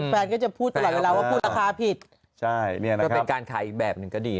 แฟนก็จะพูดเดี๋ยวแล้วว่าพูดราคาผิดใช่การขายแบบนึงก็ดี